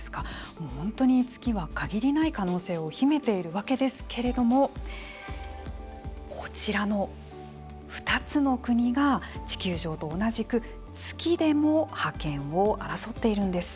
本当に月は限りない可能性を秘めているわけですけれどもこちらの２つの国が地球上と同じく月でも覇権を争っているんです。